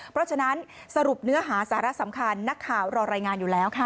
เพราะฉะนั้นสรุปเนื้อหาสาระสำคัญนักข่าวรอรายงานอยู่แล้วค่ะ